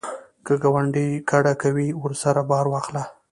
که ګاونډی کډه کوي، ورسره بار واخله